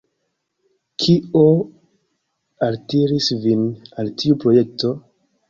Kio altiris vin al tiu projekto?